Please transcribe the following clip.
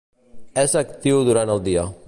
És actiu durant el dia.